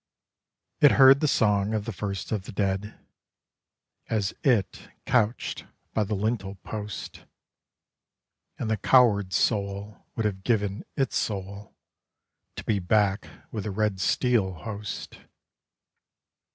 It heard the song of the First of the Dead, as It couched by the lintel post; And the coward soul would have given Its soul to be back with the Red Steel host....